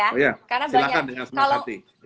oh ya silahkan dengan semangat hati